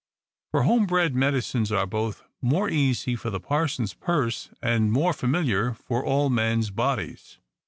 For home bred med icines are both more easy for the parson's purse, and more familiar for all men's bodies.